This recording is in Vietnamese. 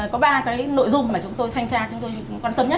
có ba cái nội dung mà chúng tôi thanh tra chúng tôi quan tâm nhất